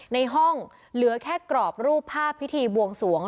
ในห้องเหลือแค่กรอบรูปภาพพิธีบวงสวง